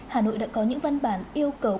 hà nội đã có những văn bản yêu cầu